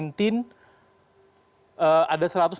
ini anggaran kesehatan